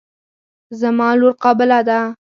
زما لور قابله ده.